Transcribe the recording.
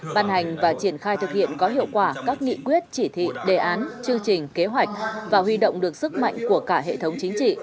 ban hành và triển khai thực hiện có hiệu quả các nghị quyết chỉ thị đề án chương trình kế hoạch và huy động được sức mạnh của cả hệ thống chính trị